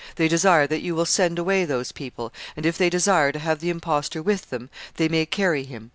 They desire that you will send away those people, and if they desire to have the impostor with them, they may carry him.